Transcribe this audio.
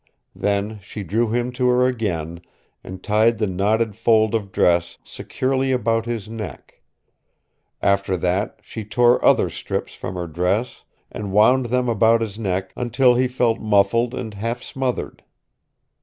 Then she drew him to her again, and tied the knotted fold of dress securely about his neck; after that she tore other strips from her dress, and wound them about his neck until he felt muffled and half smothered.